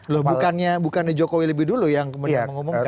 loh bukannya jokowi lebih dulu yang kemudian mengumumkan